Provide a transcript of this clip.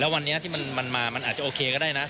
วันนี้ที่มันมามันอาจจะโอเคก็ได้นะ